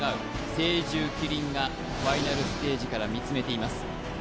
聖獣麒麟がファイナルステージから見つめています